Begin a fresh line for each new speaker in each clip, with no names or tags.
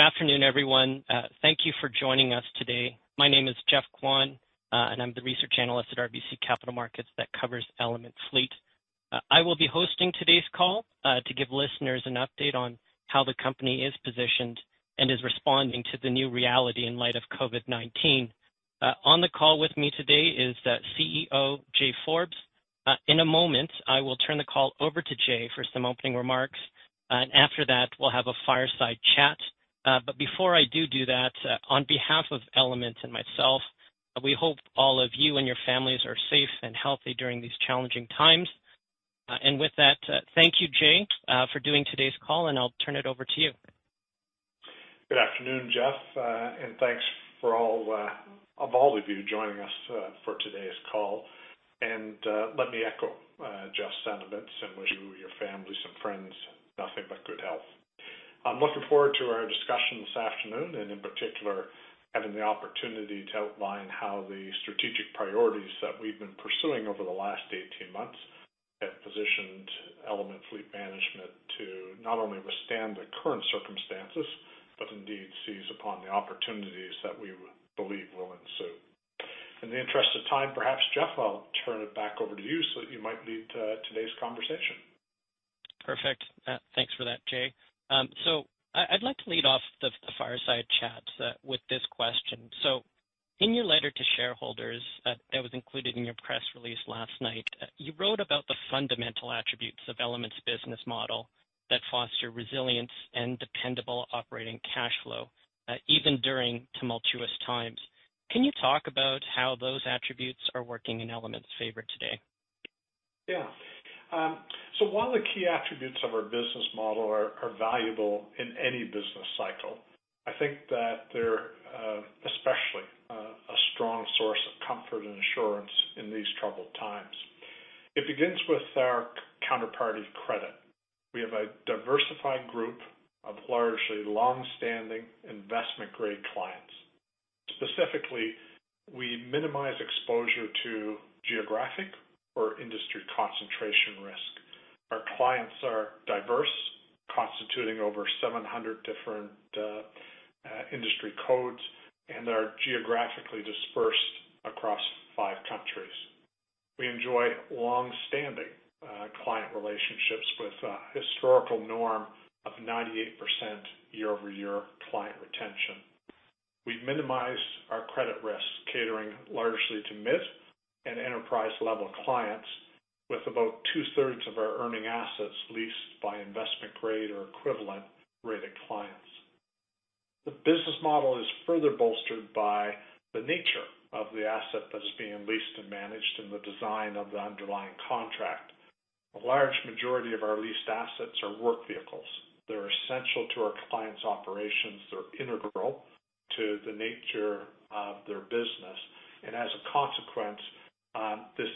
Good afternoon, everyone. Thank you for joining us today. My name is Geoffrey Kwan, and I'm the research analyst at RBC Capital Markets that covers Element Fleet Management. I will be hosting today's call to give listeners an update on how the company is positioned and is responding to the new reality in light of COVID-19. On the call with me today is CEO, Jay Forbes. In a moment, I will turn the call over to Jay for some opening remarks, and after that, we'll have a fireside chat. Before I do that, on behalf of Element Fleet Management and myself, we hope all of you and your families are safe and healthy during these challenging times. With that, thank you, Jay, for doing today's call, and I'll turn it over to you.
Good afternoon, Geoffrey, thanks of all of you joining us for today's call. Let me echo Geoffrey's sentiments and wish you, your families, and friends nothing but good health. I'm looking forward to our discussion this afternoon, and in particular, having the opportunity to outline how the strategic priorities that we've been pursuing over the last 18 months have positioned Element Fleet Management to not only withstand the current circumstances, but indeed seize upon the opportunities that we believe will ensue. In the interest of time, perhaps, Geoffrey, I'll turn it back over to you so that you might lead today's conversation.
Perfect. Thanks for that, Jay. I'd like to lead off the fireside chat with this question. In your letter to shareholders that was included in your press release last night, you wrote about the fundamental attributes of Element's business model that foster resilience and dependable operating cash flow, even during tumultuous times. Can you talk about how those attributes are working in Element's favor today?
While the key attributes of our business model are valuable in any business cycle, I think that they're especially a strong source of comfort and assurance in these troubled times. It begins with our counterparty credit. We have a diversified group of largely longstanding investment-grade clients. Specifically, we minimize exposure to geographic or industry concentration risk. Our clients are diverse, constituting over 700 different industry codes, and are geographically dispersed across five countries. We enjoy longstanding client relationships with a historical norm of 98% year-over-year client retention. We've minimized our credit risk, catering largely to mid and enterprise-level clients, with about two-thirds of our earning assets leased by investment-grade or equivalent-rated clients. The business model is further bolstered by the nature of the asset that is being leased and managed in the design of the underlying contract. A large majority of our leased assets are work vehicles. They're essential to our clients' operations. They're integral to the nature of their business. As a consequence, this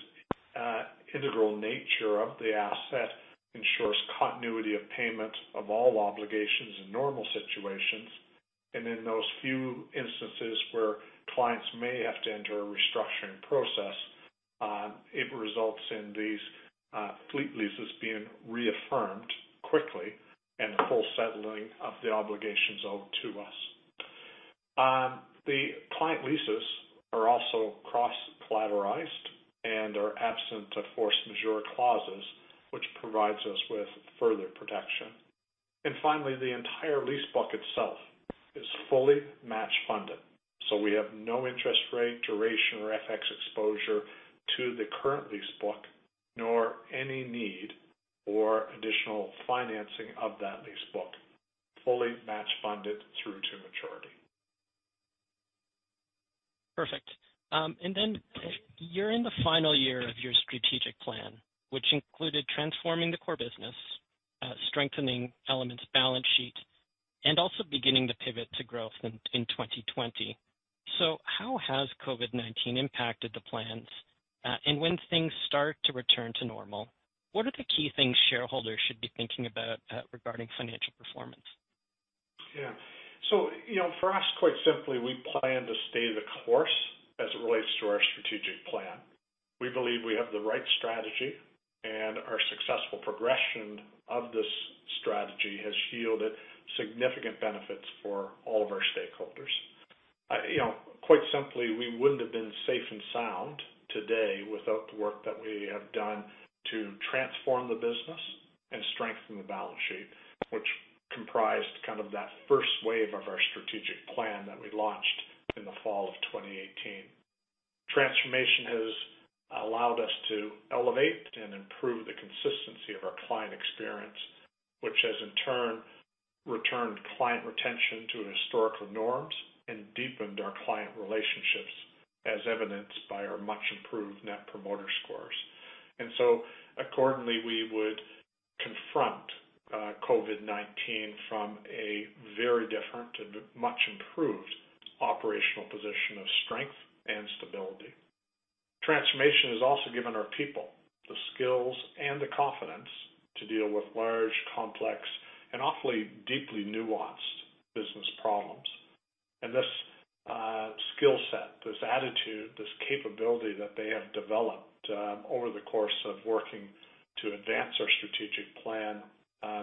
integral nature of the asset ensures continuity of payment of all obligations in normal situations. In those few instances where clients may have to enter a restructuring process, it results in these fleet leases being reaffirmed quickly and the full settling of the obligations owed to us. The client leases are also cross-collateralized and are absent of force majeure clauses, which provides us with further protection. Finally, the entire lease book itself is fully match-funded, so we have no interest rate, duration, or FX exposure to the current lease book, nor any need or additional financing of that lease book. Fully match-funded through to maturity.
Perfect. You're in the final year of your strategic plan, which included transforming the core business, strengthening Element's balance sheet, and also beginning the pivot to growth in 2020. How has COVID-19 impacted the plans? When things start to return to normal, what are the key things shareholders should be thinking about regarding financial performance?
For us, quite simply, we plan to stay the course as it relates to our Strategic Plan. We believe we have the right strategy. Our successful progression of this strategy has yielded significant benefits for all of our stakeholders. Quite simply, we wouldn't have been safe and sound today without the work that we have done to transform the business and strengthen the balance sheet, which comprised kind of that first wave of our Strategic Plan that we launched in the fall of 2018. Transformation has allowed us to elevate and improve the consistency of our client experience, Which has in turn returned client retention to historical norms and deepened our client relationships, as evidenced by our much-improved Net Promoter Score. Accordingly, we would confront COVID-19 from a very different and much improved operational position of strength and stability. Transformation has also given our people the skills and the confidence to deal with large, complex, and awfully deeply nuanced business problems. This skill set, this attitude, this capability that they have developed over the course of working to advance our strategic plan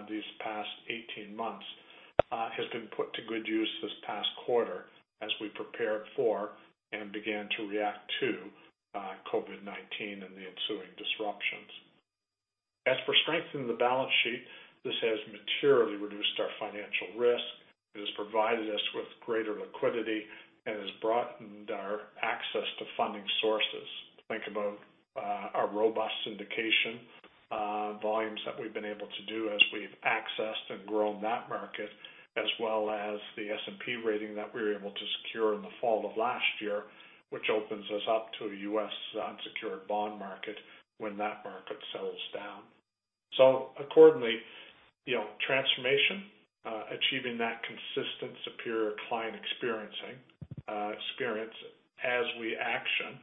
these past 18 months has been put to good use this past quarter as we prepared for and began to react to COVID-19 and the ensuing disruptions. As for strengthening the balance sheet, this has materially reduced our financial risk, it has provided us with greater liquidity, and has broadened our access to funding sources. Think about our robust syndication volumes that we've been able to do as we've accessed and grown that market, as well as the S&P rating that we were able to secure in the fall of last year, which opens us up to a US unsecured bond market when that market settles down. Accordingly, transformation, achieving that consistent superior client experience as we action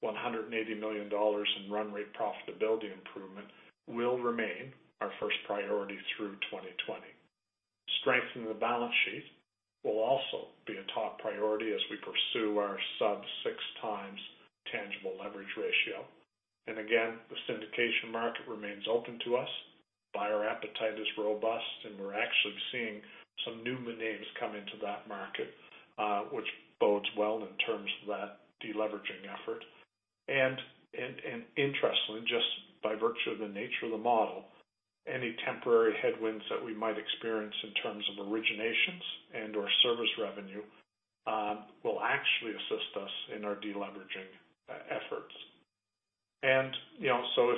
180 million dollars in run rate profitability improvement will remain our first priority through 2020. Strengthening the balance sheet will also be a top priority as we pursue our sub 6x tangible leverage ratio. Again, the syndication market remains open to us. Buyer appetite is robust, we're actually seeing some new names come into that market, which bodes well in terms of that de-leveraging effort. Interestingly, just by virtue of the nature of the model, any temporary headwinds that we might experience in terms of originations and/or service revenue will actually assist us in our de-leveraging efforts.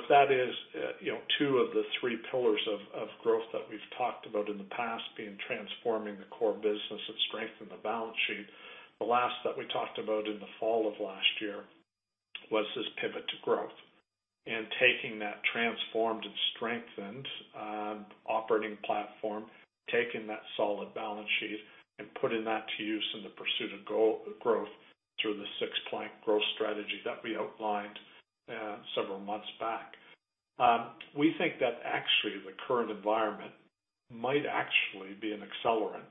If that is two of the three pillars of growth that we've talked about in the past, being transforming the core business and strengthen the balance sheet, the last that we talked about in the fall of last year was this pivot to growth. Taking that transformed and strengthened operating platform, Taking that solid balance sheet, and putting that to use in the pursuit of growth through the six-plank growth strategy that we outlined several months back. We think that actually the current environment might actually be an accelerant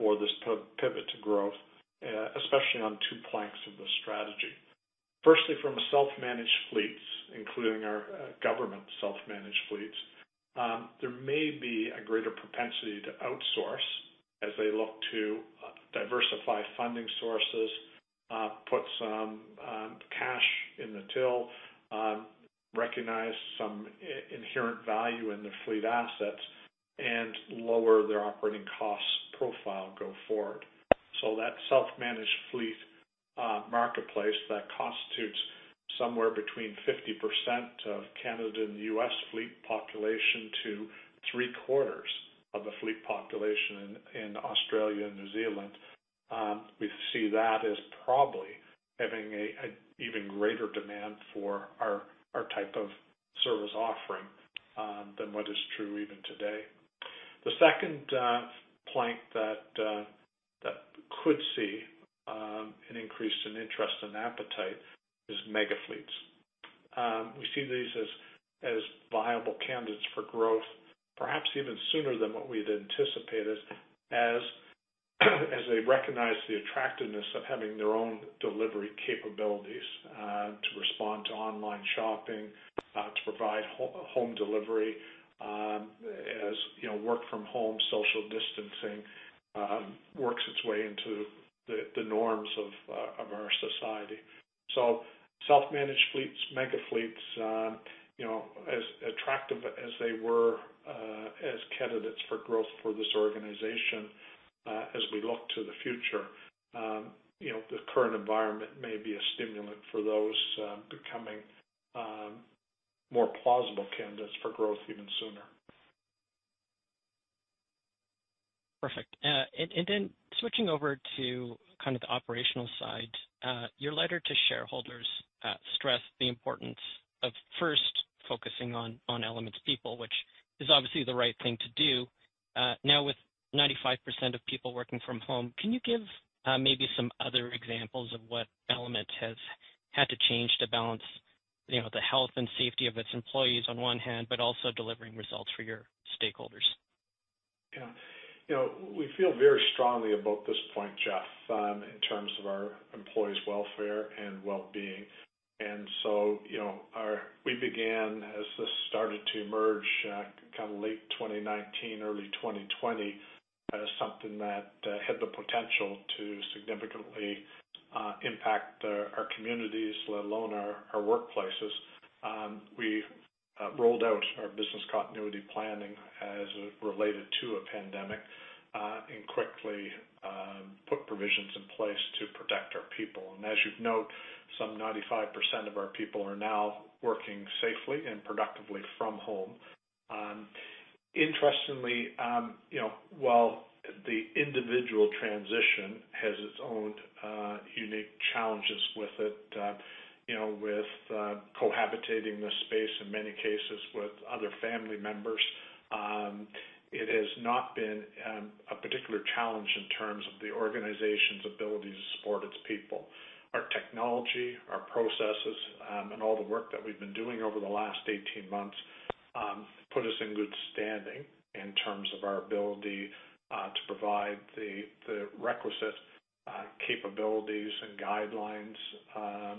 for this pivot to growth, especially on two planks of the strategy. Firstly, from a self-managed fleets, including our government self-managed fleets, there may be a greater propensity to outsource as they look to diversify funding sources, put some cash in the till, recognize some inherent value in their fleet assets, and lower their operating cost profile go forward. That self-managed fleet marketplace that constitutes somewhere between 50% of Canada and U.S. fleet population to three quarters of the fleet population in Australia and New Zealand, we see that as probably having an even greater demand for our type of service offering than what is true even today. The second plank that could see an increase in interest and appetite is mega fleets. We see these as viable candidates for growth, perhaps even sooner than what we'd anticipated, as they recognize the attractiveness of having their own delivery capabilities to respond to online shopping, to provide home delivery as work from home social distancing works its way into the norms of our society. Self-managed fleets, mega fleets, as attractive as they were as candidates for growth for this organization as we look to the future, the current environment may be a stimulant for those becoming more plausible candidates for growth even sooner.
Perfect. Switching over to kind of the operational side, your letter to shareholders stressed the importance of first focusing on Element's people, which is obviously the right thing to do. Now with 95% of people working from home, can you give maybe some other examples of what Element has had to change to balance the health and safety of its employees on one hand, but also delivering results for your stakeholders?
Yeah. We feel very strongly about this point, Geoffrey, in terms of our employees' welfare and wellbeing. We began as this started to emerge kind of late 2019, early 2020, as something that had the potential to significantly impact our communities, let alone our workplaces. We rolled out our business continuity planning as it related to a pandemic, and quickly put provisions in place to protect our people. As you've note, some 95% of our people are now working safely and productively from home. Interestingly, while the individual transition has its own unique challenges with it, with cohabitating the space in many cases with other family members, it has not been a particular challenge in terms of the organization's ability to support its people. Our technology, our processes, and all the work that we've been doing over the last 18 months put us in good standing in terms of our ability to provide the requisite capabilities and guidelines,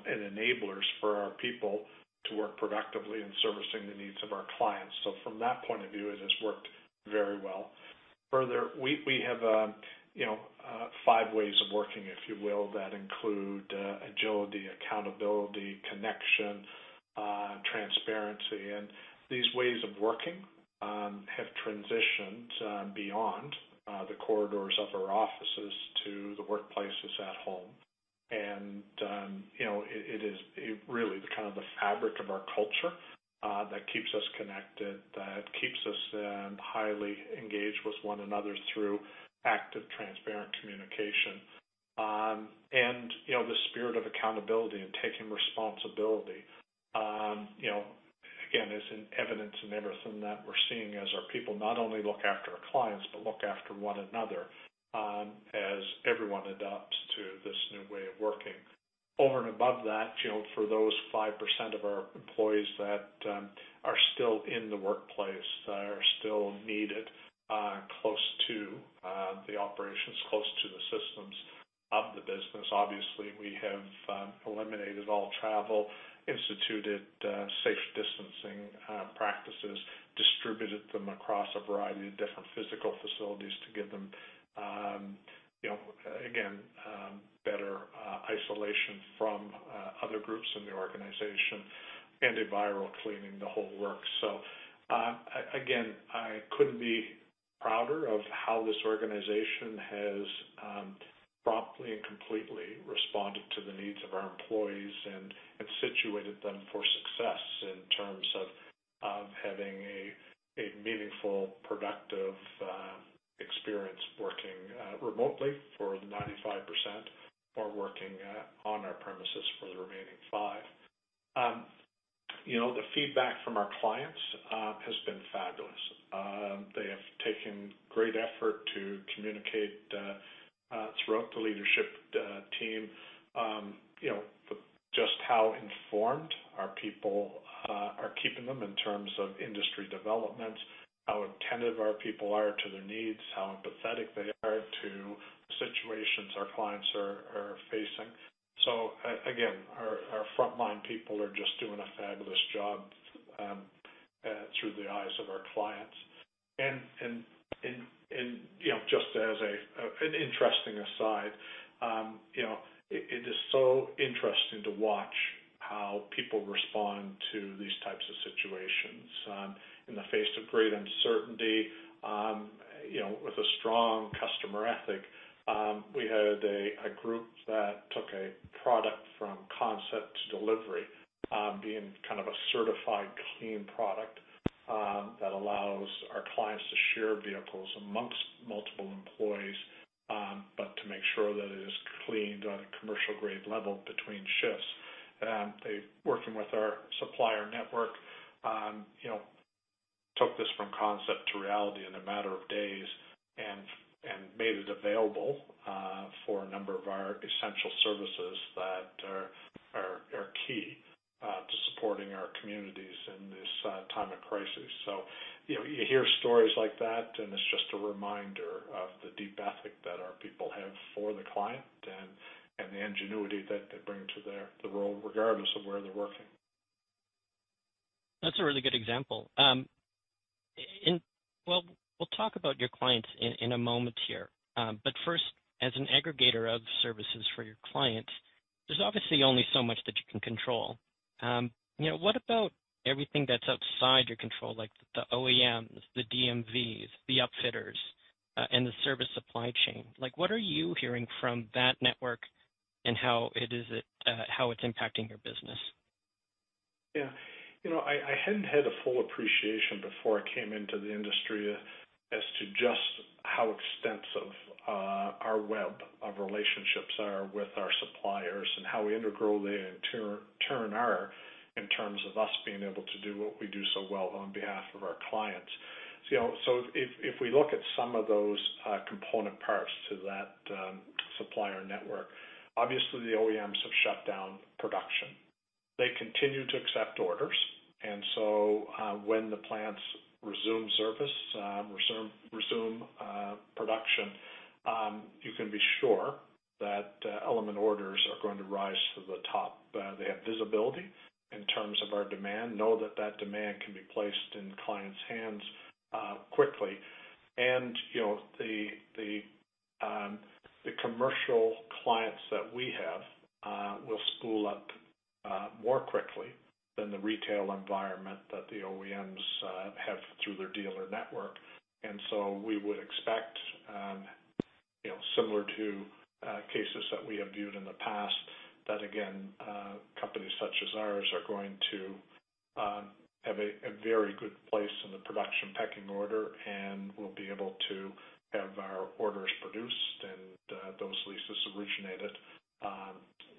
and enablers for our people to work productively in servicing the needs of our clients. From that point of view, it has worked very well. Further, we have five ways of working, if you will, that include agility, accountability, connection, transparency. These ways of working have transitioned beyond the corridors of our offices to the workplaces at home. It is really the fabric of our culture that keeps us connected, that keeps us then highly engaged with one another through active, transparent communication. The spirit of accountability and taking responsibility, again, is in evidence in everything that we're seeing as our people not only look after our clients, but look after one another as everyone adapts to this new way of working. Over and above that, for those 5% of our employees that are still in the workplace, That are still needed close to the operations, close to the systems of the business, obviously, we have eliminated all travel, instituted safe distancing practices, distributed them across a variety of different physical facilities to give them, again, better isolation from other groups in the organization, antiviral cleaning, the whole works. Again, I couldn't be prouder of how this organization has promptly and completely responded to the needs of our employees and situated them for success in terms of having a meaningful, productive experience working remotely for the 95%, or working on our premises for the remaining five. The feedback from our clients has been fabulous. They have taken great effort to communicate throughout the leadership team just how informed our people are keeping them in terms of industry developments, how attentive our people are to their needs, how empathetic they are to the situations our clients are facing. Again, our frontline people are just doing a fabulous job through the eyes of our clients. Just as an interesting aside, it is so interesting to watch how people respond to these types of situations in the face of great uncertainty, with a strong customer ethic. We had a group that took a product from concept to delivery, being a certified clean product that allows our clients to share vehicles amongst multiple employees, but to make sure that it is cleaned on a commercial-grade level between shifts. They, working with our supplier network, took this from concept to reality in a matter of days, and made it available for a number of our essential services that are key to supporting our communities in this time of crisis. You hear stories like that, and it's just a reminder of the deep ethic that our people have for the client, and the ingenuity that they bring to the role, regardless of where they're working.
That's a really good example. We'll talk about your clients in a moment here. First, as an aggregator of services for your clients, there's obviously only so much that you can control. What about everything that's outside your control, like the OEMs, the DMVs, the upfitters, and the service supply chain? What are you hearing from that network, and how it's impacting your business?
Yeah. I hadn't had a full appreciation before I came into the industry as to just how extensive our web of relationships are with our suppliers, and how integral they in turn are in terms of us being able to do what we do so well on behalf of our clients. If we look at some of those component parts to that supplier network, obviously the OEMs have shut down production. They continue to accept orders. When the plants resume service, resume production, you can be sure that Element orders are going to rise to the top. They have visibility in terms of our demand, know that that demand can be placed in clients' hands quickly. The commercial clients that we have will spool up more quickly than the retail environment that the OEMs have through their dealer network. We would expect, similar to cases that we have viewed in the past, that again, companies such as ours are going to have a very good place in the production pecking order, and we'll be able to have our orders produced and those leases originated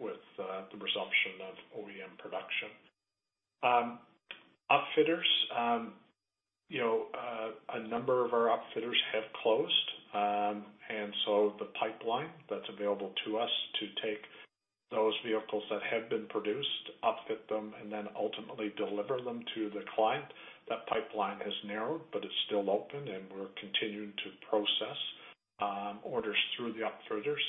with the resumption of OEM production. Upfitters, a number of our outfitters have closed. The pipeline that's available to us to take those vehicles that have been produced, outfit them, and then ultimately deliver them to the client, that pipeline has narrowed, but it's still open, and we're continuing to process orders through the outfitters.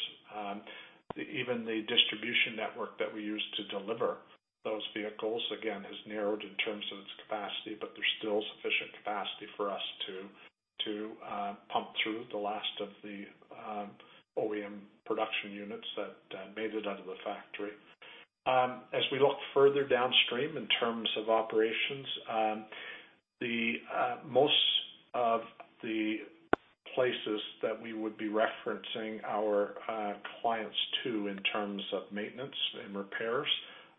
Even the distribution network that we use to deliver those vehicles, again, has narrowed in terms of its capacity, but there's still sufficient capacity for us to pump through the last of the OEM production units that made it out of the factory. As we look further downstream in terms of operations, most of the places that we would be referencing our clients to in terms of maintenance and repairs,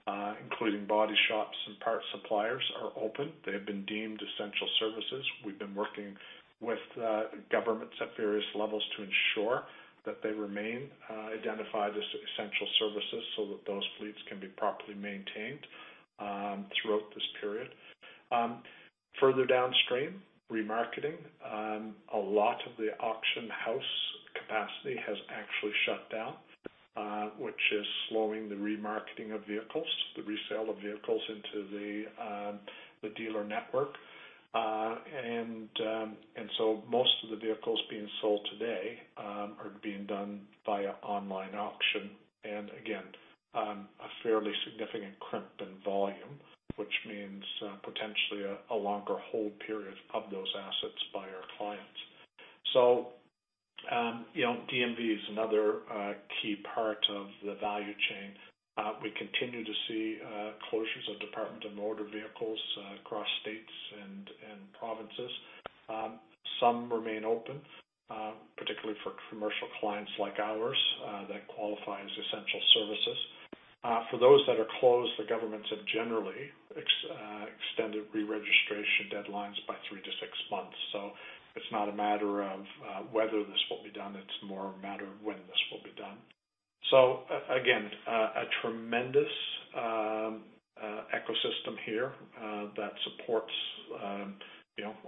including body shops and parts suppliers, are open. They have been deemed essential services. We've been working with governments at various levels to ensure that they remain identified as essential services so that those fleets can be properly maintained throughout this period. Further downstream, remarketing. A lot of the auction house capacity has actually shut down, which is slowing the remarketing of vehicles, the resale of vehicles into the dealer network. Most of the vehicles being sold today are being done via online auction. Again, a fairly significant crimp in volume, which means potentially a longer hold period of those assets by our clients. DMV is another key part of the value chain. We continue to see closures of Department of Motor Vehicles across states and provinces. Some remain open, particularly for commercial clients like ours that qualify as essential services. For those that are closed, the governments have generally extended reregistration deadlines by three to six months. It's not a matter of whether this will be done, it's more a matter of when this will be done. Again, a tremendous ecosystem here that supports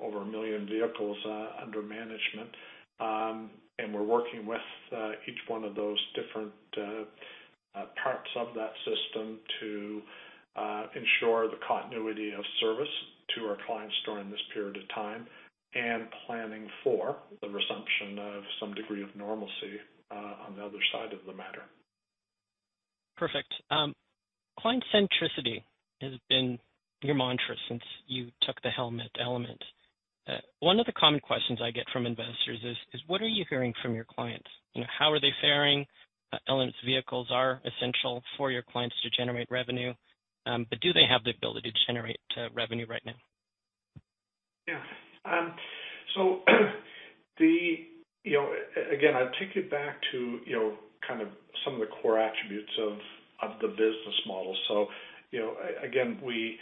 over a million vehicles under management. We're working with each one of those different parts of that system to ensure the continuity of service to our clients during this period of time, and planning for the resumption of some degree of normalcy on the other side of the matter.
Perfect. Client centricity has been your mantra since you took the helm at Element. One of the common questions I get from investors is, what are you hearing from your clients? How are they faring? Element's vehicles are essential for your clients to generate revenue. Do they have the ability to generate revenue right now?
Yeah. Again, I take it back to some of the core attributes of the business model. Again, we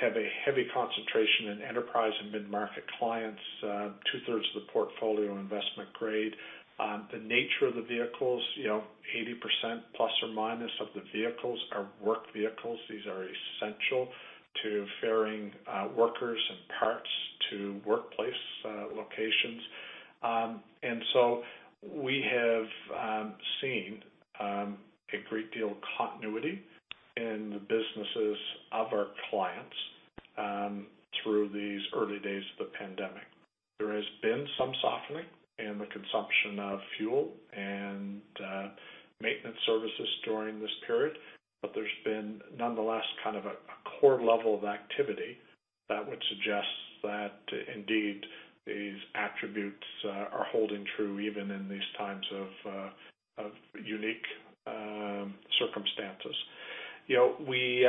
have a heavy concentration in enterprise and mid-market clients, two-thirds of the portfolio investment grade. The nature of the vehicles, 80%± of the vehicles are work vehicles. These are essential to ferrying workers and parts to workplace locations. We have seen a great deal of continuity in the businesses of our clients through these early days of the pandemic. There has been some softening in the consumption of fuel and maintenance services during this period. There's been nonetheless a core level of activity that would suggest that indeed, these attributes are holding true even in these times of unique circumstances. We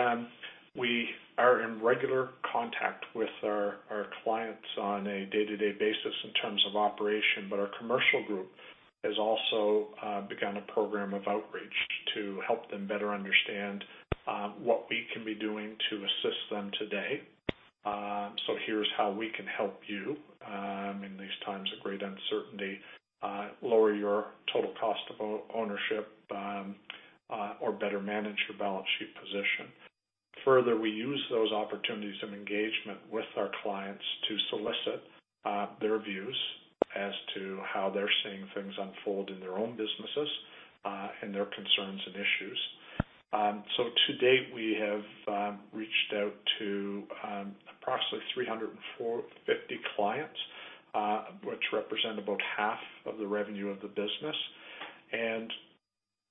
are in regular contact with our clients on a day-to-day basis in terms of operation, but our commercial group has also begun a program of outreach to help them better understand what we can be doing to assist them today. Here's how we can help you in these times of great uncertainty lower your total cost of ownership, or better manage your balance sheet position. Further, we use those opportunities of engagement with our clients to solicit their views as to how they're seeing things unfold in their own businesses, and their concerns and issues. To date, we have reached out to approximately 350 clients, which represent about half of the revenue of the business.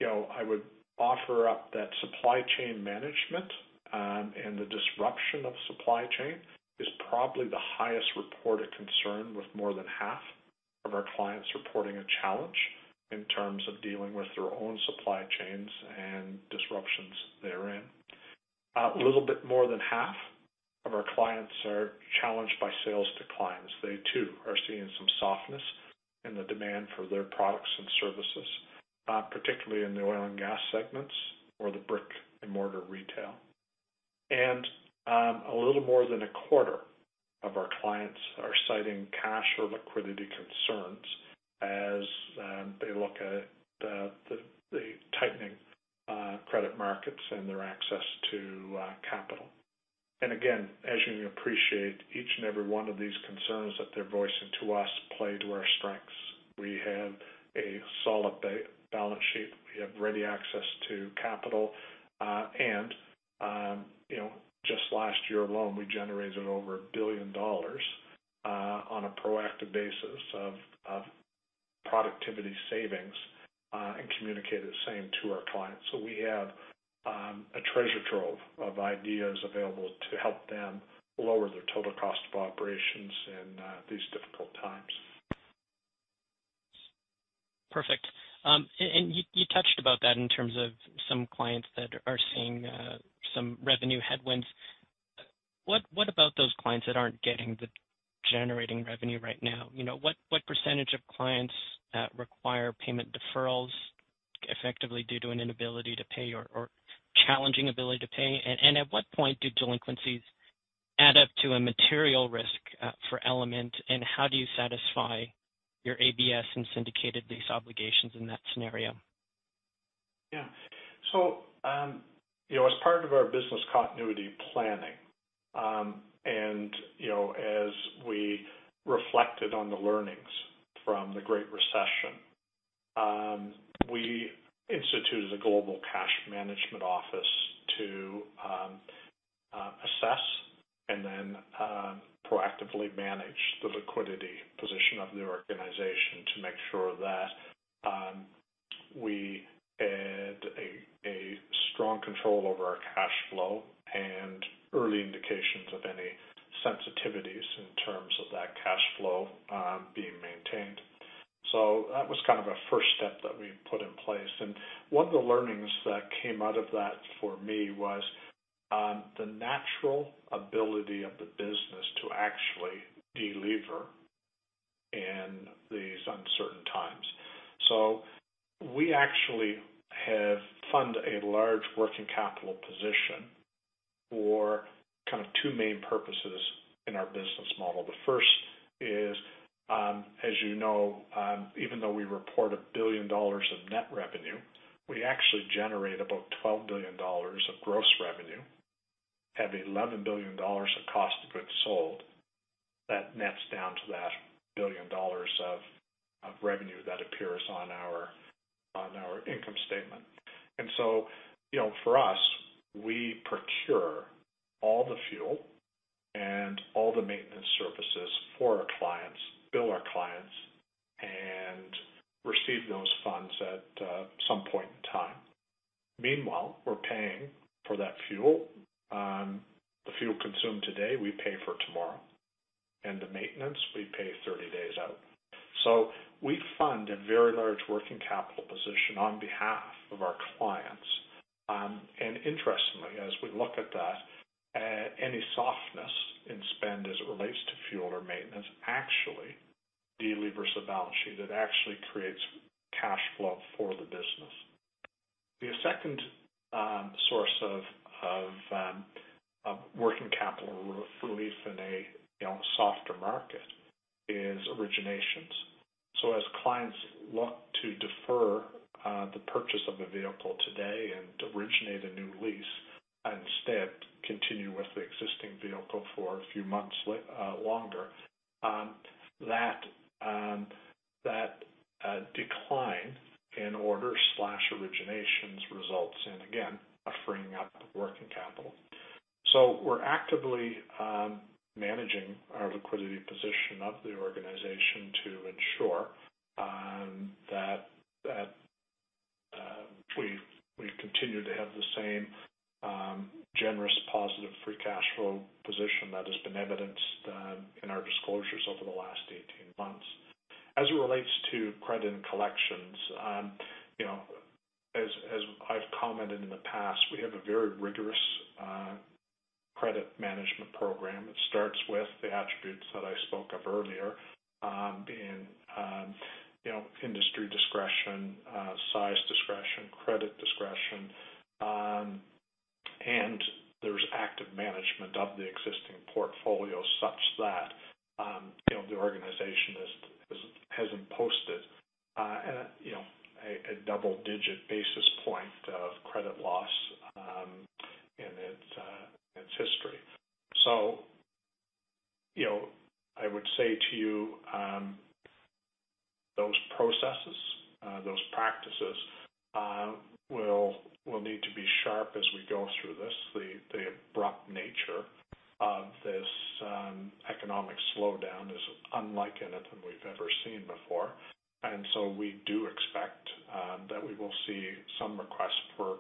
I would offer up that supply chain management, and the disruption of supply chain is probably the highest reported concern, with more than half of our clients reporting a challenge in terms of dealing with their own supply chains and disruptions therein. A little bit more than half of our clients are challenged by sales declines. They too are seeing some softness in the demand for their products and services, particularly in the oil and gas segments or the brick and mortar retail. A little more than a quarter of our clients are citing cash or liquidity concerns as they look at the tightening credit markets and their access to capital. Again, as you appreciate, each and every one of these concerns that they're voicing to us play to our strengths. We have a solid balance sheet. We have ready access to capital. Just last year alone, we generated over 1 billion dollars on a proactive basis of productivity savings and communicated the same to our clients. We have a treasure trove of ideas available to help them lower their total cost of operations in these difficult times.
Perfect. You touched about that in terms of some clients that are seeing some revenue headwinds. What about those clients that aren't generating revenue right now? What percentage of clients require payment deferrals effectively due to an inability to pay or challenging ability to pay? At what point do delinquencies add up to a material risk for Element? How do you satisfy your ABS and syndicated lease obligations in that scenario?
Yeah. As part of our business continuity planning, and as we reflected on the learnings from the Great Recession, we instituted a global cash management office to assess and then proactively manage the liquidity position of the organization to make sure that we had a strong control over our cash flow and early indications of any sensitivities in terms of that cash flow being maintained. That was kind of a first step that we put in place. One of the learnings that came out of that for me was the natural ability of the business to actually de-lever in these uncertain times. We actually fund a large working capital position for kind of two main purposes in our business model. The first is, as you know, even though we report 1 billion dollars of net revenue, we actually generate about 12 billion dollars of gross revenue, have 11 billion dollars of cost of goods sold. That nets down to that 1 billion dollars of revenue that appears on our income statement. For us, we procure all the fuel and all the maintenance services for our clients, bill our clients, and receive those funds at some point in time. Meanwhile, we're paying for that fuel. The fuel consumed today, we pay for tomorrow, and the maintenance, we pay 30 days out. We fund a very large working capital position on behalf of our clients. Interestingly, as we look at that, any softness in spend as it relates to fuel or maintenance actually de-levers the balance sheet. It actually creates cash flow for the business. The second source of working capital relief in a softer market is originations. As clients look to defer the purchase of a vehicle today and originate a new lease, instead continue with the existing vehicle for a few months longer, that decline in order/originations results in, again, a freeing up of working capital. We're actively managing our liquidity position of the organization to ensure that we continue to have the same generous, positive free cash flow position that has been evidenced in our disclosures over the last 18 months. As it relates to credit and collections, as I've commented in the past, we have a very rigorous credit management program that starts with the attributes that I spoke of earlier, being industry discretion, size discretion, credit discretion, and there's active management of the existing portfolio such that the organization hasn't posted a double-digit basis point of credit loss in its history. I would say to you, those processes, those practices, will need to be sharp as we go through this. The abrupt nature of this economic slowdown is unlike anything we've ever seen before. We do expect that we will see some requests for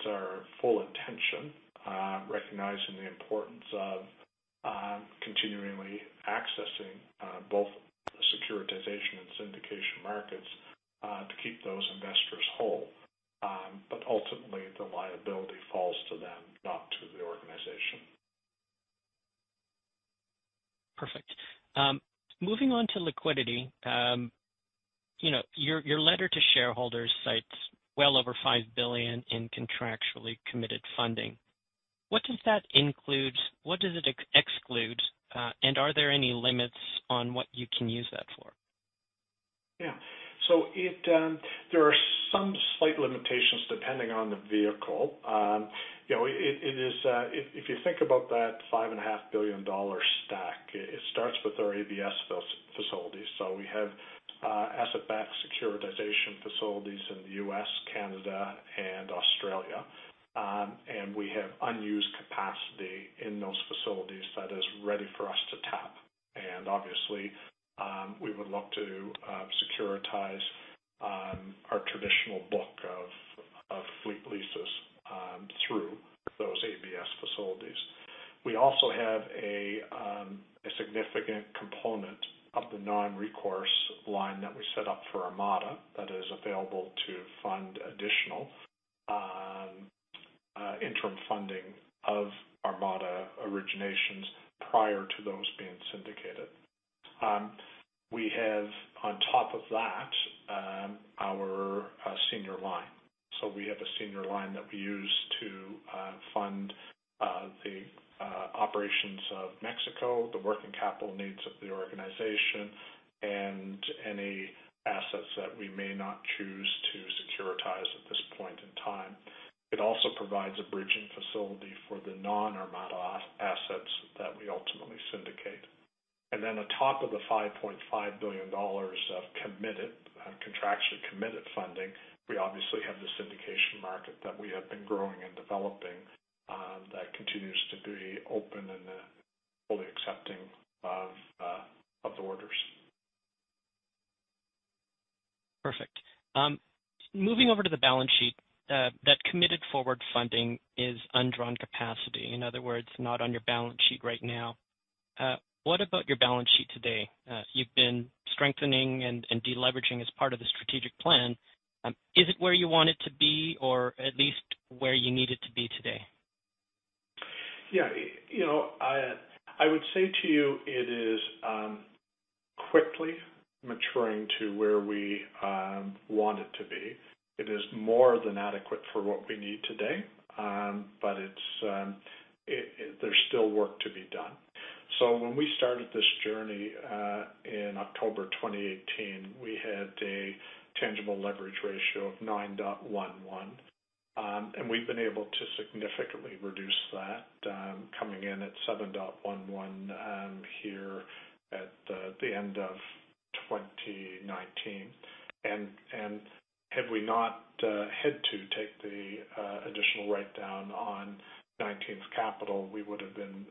bears consideration. Technically, all Element's credit risks fall to the ABS investors and syndication buyers, not the organization. These are with ABS facility where bankruptcy remote, with syndication, there's a non-recourse basis. Again, it's our full intention, recognizing the importance of continually accessing both the securitization and syndication markets to keep those investors whole. Ultimately, the liability falls to them, not to the organization.
Perfect. Moving on to liquidity. Your letter to shareholders cites well over 5 billion in contractually committed funding. What does that include? What does it exclude? Are there any limits on what you can use that for?
Yeah. There are some slight limitations depending on the vehicle. If you think about that 5.5 billion dollar stack, it starts with our ABS facilities. We have asset-backed securitization facilities in the U.S., Canada, and Australia. We have unused capacity in those facilities that is ready for us to tap. Obviously, we would look to securitize our traditional book of fleet leases through those ABS facilities. We also have a significant component of the non-recourse line that we set up for Armada that is available to fund additional interim funding of Armada originations prior to those being syndicated. We have, on top of that, our senior line. We have a senior line that we use to fund the operations of Mexico, the working capital needs of the organization, and any assets that we may not choose to securitize at this point in time. It also provides a bridging facility for the non-Armada assets that we ultimately syndicate. On top of the 5.5 billion dollars of contractually committed funding, we obviously have the syndication market that we have been growing and developing that continues to be open and fully accepting of the orders.
Perfect. Moving over to the balance sheet, that committed forward funding is undrawn capacity, in other words, not on your balance sheet right now. What about your balance sheet today? You've been strengthening and de-leveraging as part of the strategic plan. Is it where you want it to be, or at least where you need it to be today?
Yeah. I would say to you it is quickly maturing to where we want it to be. It is more than adequate for what we need today, but there's still work to be done. When we started this journey in October 2018, we had a tangible leverage ratio of 9.11, and we've been able to significantly reduce that, coming in at 7.11 here at the end of 2019. Had we not had to take the additional write-down on 19th Capital, we would have been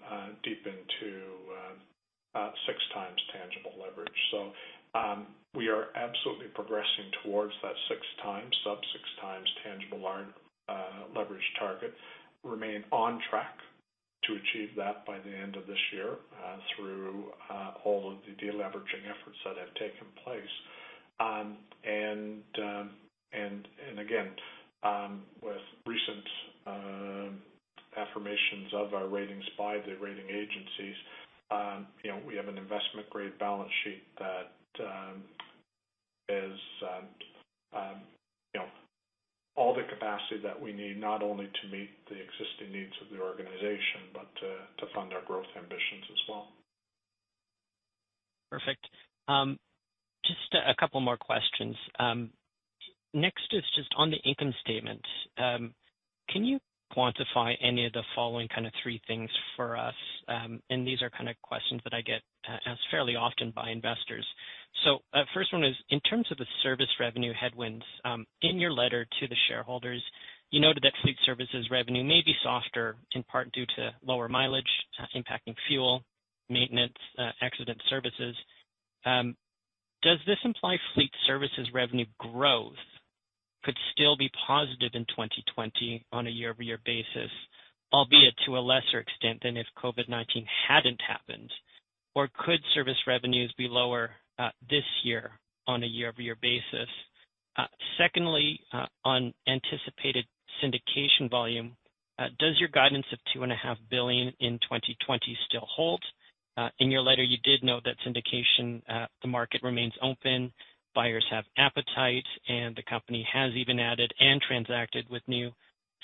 deep into 6x tangible leverage. We are absolutely progressing towards that sub 6x tangible leverage target. Remain on track to achieve that by the end of this year through all of the de-leveraging efforts that have taken place. Again, with recent affirmations of our ratings by the rating agencies, we have an investment-grade balance sheet that is all the capacity that we need, not only to meet the existing needs of the organization, but to fund our growth ambitions as well.
Perfect. Just a couple more questions. Next is just on the income statement. Can you quantify any of the following three things for us? These are questions that I get asked fairly often by investors. First one is, in terms of the service revenue headwinds, in your letter to the shareholders, you noted that fleet services revenue may be softer, in part due to lower mileage impacting fuel, maintenance, accident services. Does this imply fleet services revenue growth could still be positive in 2020 on a year-over-year basis, albeit to a lesser extent than if COVID-19 hadn't happened? Could service revenues be lower this year on a year-over-year basis? Secondly, on anticipated syndication volume, does your guidance of 2.5 billion in 2020 still hold? In your letter you did note that syndication, the market remains open, buyers have appetite, and the company has even added and transacted with new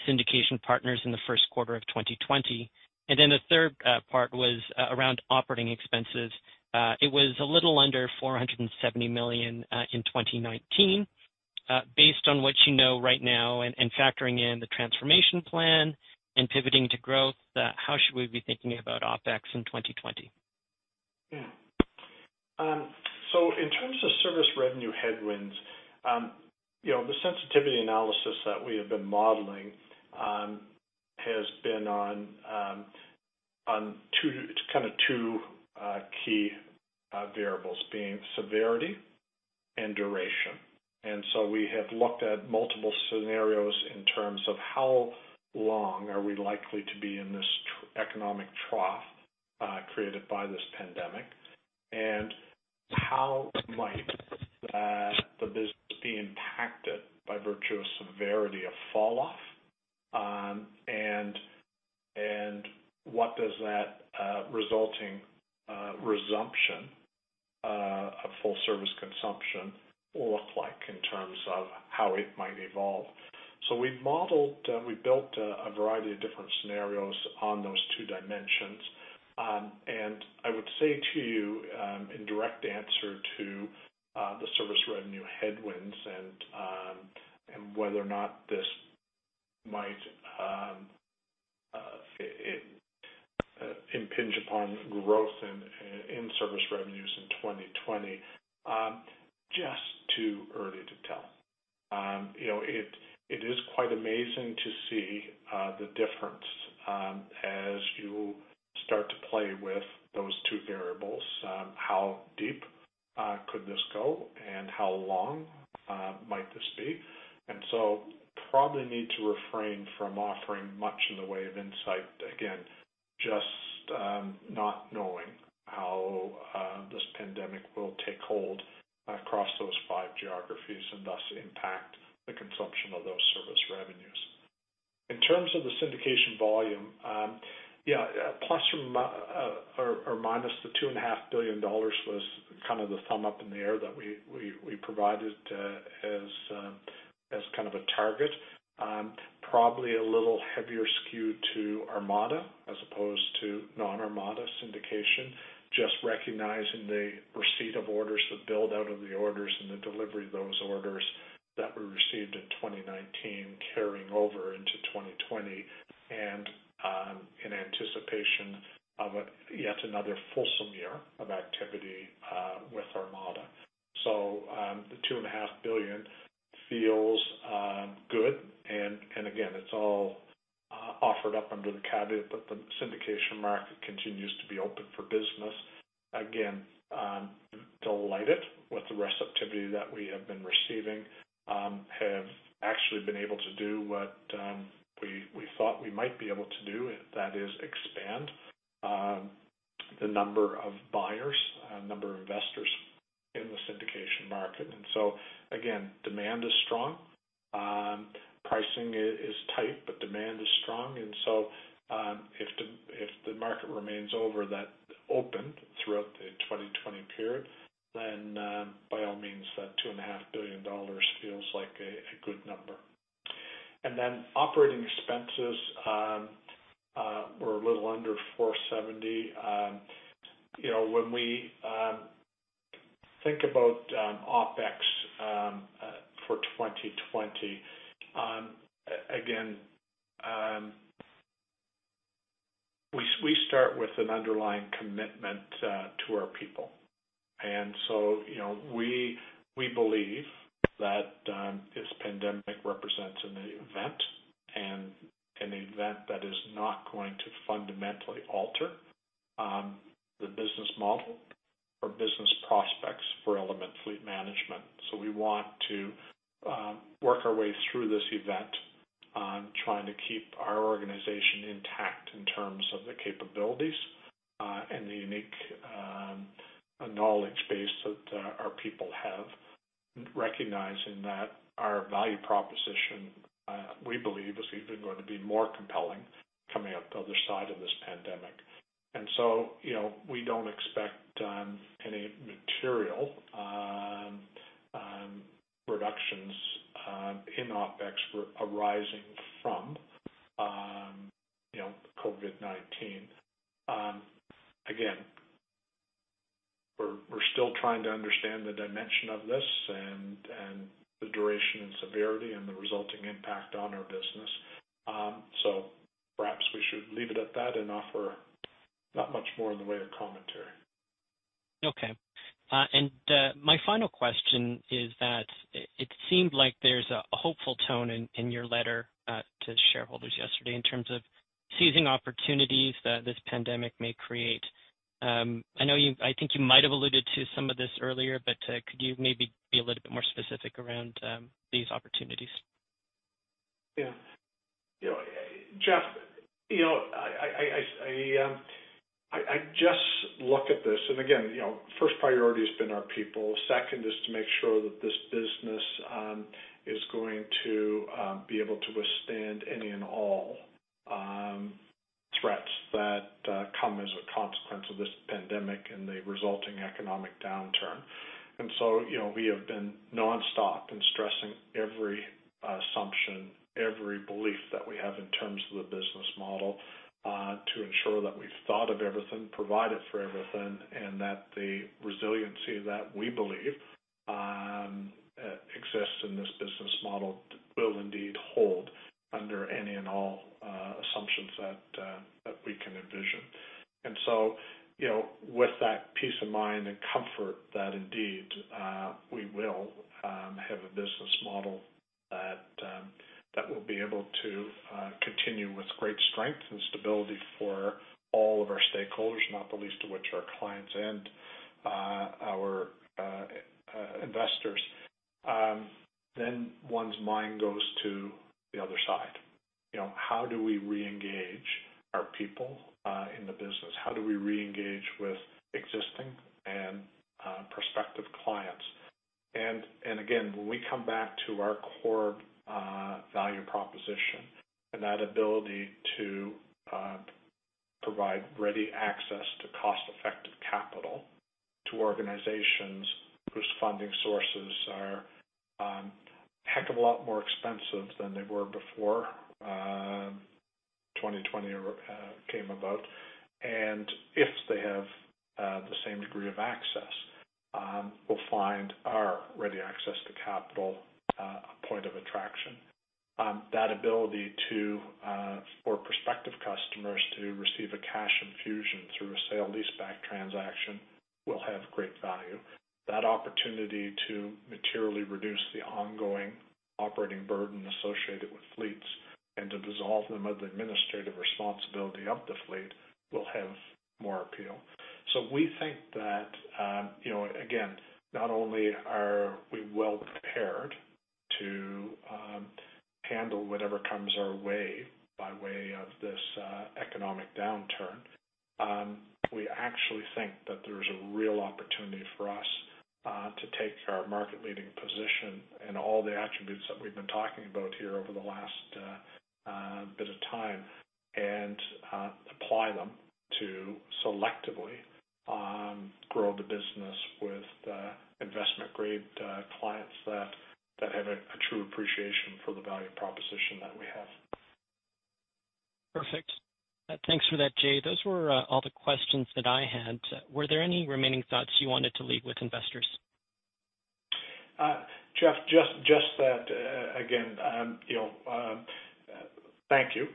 syndication partners in the Q1 of 2020. The third part was around operating expenses. It was a little under 470 million in 2019. Based on what you know right now and factoring in the transformation plan and pivoting to growth, how should we be thinking about OpEx in 2020?
Yeah. In terms of service revenue headwinds, the sensitivity analysis that we have been modeling has been on kind of two key variables, being severity and duration. We have looked at multiple scenarios in terms of, How long are we likely to be in this economic trough created by this pandemic, and how might the business be impacted by virtue of severity of fall off, and what does that resulting resumption of full service consumption look like in terms of how it might evolve? We've modeled, we've built a variety of different scenarios on those two dimensions. I would say to you, in direct answer to the service revenue headwinds and whether or not this might impinge upon growth in service revenues in 2020, just too early to tell. It is quite amazing to see the difference as you start to play with those two variables. How deep could this go and how long might this be? Probably need to refrain from offering much in the way of insight. Again, just not knowing how this pandemic will take hold across those five geographies and thus impact the consumption of those service revenues. In terms of the syndication volume, yeah. ± the 2.5 billion dollars was kind of the thumb up in the air that we provided as kind of a target. Probably a little heavier skew to Armada as opposed to non-Armada syndication. Just recognizing the receipt of orders, the build-out of the orders, and the delivery of those orders that were received in 2019 carrying over into 2020. In anticipation of yet another fulsome year of activity with Armada. The 2.5 billion feels good, and again, it's all offered up under the caveat that the syndication market continues to be open for business. Again, delighted with the receptivity that we have been receiving. Have actually been able to do what we thought we might be able to do, that is expand the number of buyers, number of investors in the syndication market. Again, demand is strong. Pricing is tight, but demand is strong. If the market remains over that open throughout the 2020 period, then by all means, that 2.5 billion dollars feels like a good number. Operating expenses were a little under 470. When we think about OpEx for 2020, again, we start with an underlying commitment to our people. We believe that this pandemic represents an event, an event that is not going to fundamentally alter the business model or business prospects for Element Fleet Management. We want to work our way through this event on trying to keep our organization intact in terms of the capabilities and the unique knowledge base that our people have, recognizing that our value proposition, We believe, is even going to be more compelling coming up the other side of this pandemic. We don't expect any material reductions in OpEx arising from COVID-19. Again, we're still trying to understand the dimension of this and the duration and severity and the resulting impact on our business. Perhaps we should leave it at that and offer not much more in the way of commentary.
Okay. My final question is that it seemed like there's a hopeful tone in your letter to shareholders yesterday in terms of seizing opportunities that this pandemic may create. I think you might have alluded to some of this earlier, but could you maybe be a little bit more specific around these opportunities?
Geoffrey, I just look at this, and again, first priority has been our people. Second is to make sure that this business is going to be able to withstand any and all threats that come as a consequence of this pandemic and the resulting economic downturn. We have been nonstop in stressing every assumption, every belief that we have in terms of the business model to ensure that we've thought of everything, provided for everything, and that the resiliency that we believe exists in this business model will indeed hold under any and all assumptions that we can envision. With that peace of mind and comfort that indeed, we will have a business model that will be able to continue with great strength and stability for all of our stakeholders, not the least of which are our clients and our investors. One's mind goes to the other side. How do we reengage our people in the business? How do we reengage with existing and prospective clients? Again, when we come back to our core value proposition and that ability to provide ready access to cost-effective capital to organizations whose funding sources are a heck of a lot more expensive than they were before 2020 came about, and if they have the same degree of access will find our ready access to capital a point of attraction. That ability for prospective customers to receive a cash infusion through a sale-leaseback transaction will have great value. That opportunity to materially reduce the ongoing operating burden associated with fleets and to dissolve them of the administrative responsibility of the fleet will have more appeal. We think that, again, not only are we well prepared to handle whatever comes our way by way of this economic downturn, we actually think that there's a real opportunity for us to take our market-leading position and all the attributes that we've been talking about here over the last bit of time and apply them to selectively grow the business with investment-grade clients that have a true appreciation for the value proposition that we have.
Perfect. Thanks for that, Jay. Those were all the questions that I had. Were there any remaining thoughts you wanted to leave with investors?
Geoffrey, just that, again, thank you.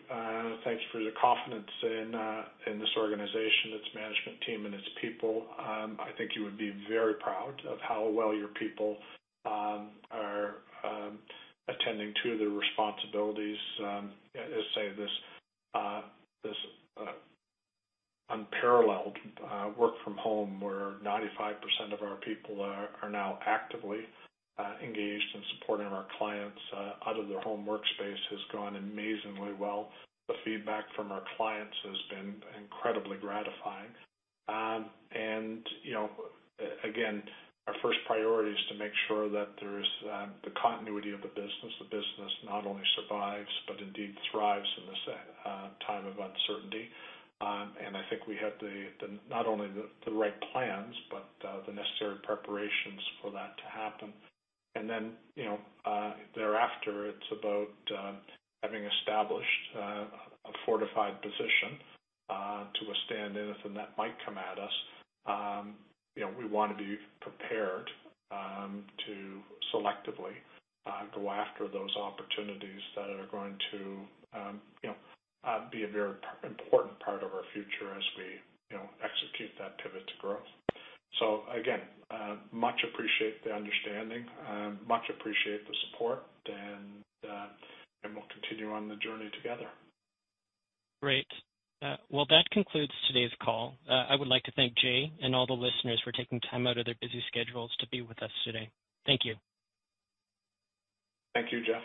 Thank you for the confidence in this organization, its management team, and its people. I think you would be very proud of how well your people are attending to their responsibilities as, say, this unparalleled work from home, where 95% of our people are now actively engaged in supporting our clients out of their home workspace, has gone amazingly well. The feedback from our clients has been incredibly gratifying. Again, our first priority is to make sure that there's the continuity of the business. The business not only survives but indeed thrives in this time of uncertainty. I think we have not only the right plans but the necessary preparations for that to happen. Thereafter, it's about having established a fortified position to withstand anything that might come at us. We want to be prepared to selectively go after those opportunities that are going to be a very important part of our future as we execute that pivot to growth. Again, much appreciate the understanding, much appreciate the support, and we'll continue on the journey together.
Great. Well, that concludes today's call. I would like to thank Jay and all the listeners for taking time out of their busy schedules to be with us today. Thank you.
Thank you, Geoffrey.